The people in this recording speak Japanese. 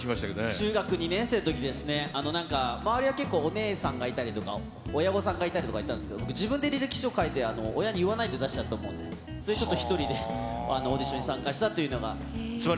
中学２年生のときですね、なんか、周りは結構、お姉さんがいたりとか、親御さんがいたりとかいたんですけど、僕、自分で履歴書書いて親に言わないで出しちゃったもんで、それで１人でオーディションに参加したというのが。